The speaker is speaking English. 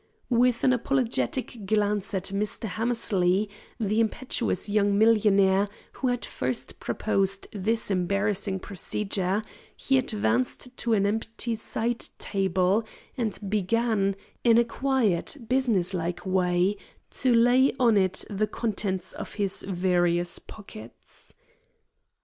With an apologetic glance at Mr. Hammersley, the impetuous young millionaire who had first proposed this embarrassing procedure, he advanced to an empty side table and began, in a quiet, business like way, to lay on it the contents of his various pockets.